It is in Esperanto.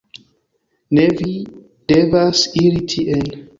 "Ne, vi devas iri tien."